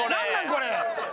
これ。